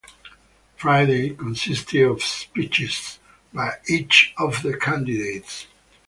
Friday consisted of speeches by each of the candidates.